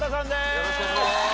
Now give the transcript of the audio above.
よろしくお願いします